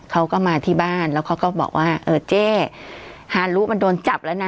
เขาก็มาที่บ้านแล้วเขาก็บอกว่าเออเจ๊ฮารุมันโดนจับแล้วนะ